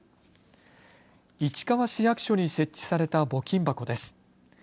市川市役所に設置された募金箱です。